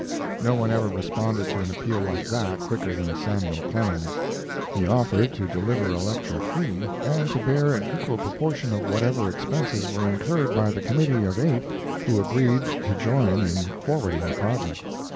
No one ever responded to an appeal like that quicker than Samuel Clemens. He offered to deliver a lecture free, and to bear an equal proportion of whatever expenses were incurred by the committee of eight who agreed to join in forwarding the project.